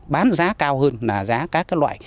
bán giá cao hơn là giá các loại